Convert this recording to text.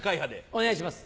お願いします。